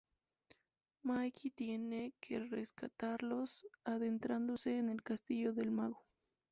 Mickey tiene que rescatarlos adentrándose en el castillo del mago.